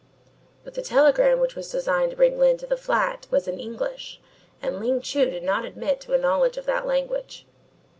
But the telegram which was designed to bring Lyne to the flat was in English and Ling Chu did not admit to a knowledge of that language.